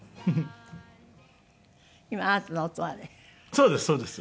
そうですそうです。